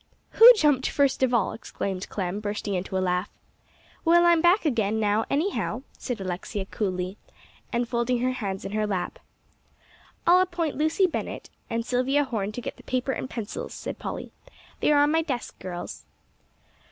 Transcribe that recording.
"Who jumped first of all?" exclaimed Clem, bursting into a laugh. "Well, I'm back again, anyhow," said Alexia coolly, and folding her hands in her lap. "I'll appoint Lucy Bennett and Silvia Horne to get the paper and pencils," said Polly. "They are on my desk, girls."